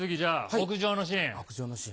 屋上のシーン。